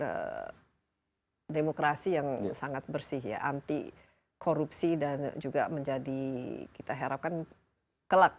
ini adalah demokrasi yang sangat bersih ya anti korupsi dan juga menjadi kita harapkan kelak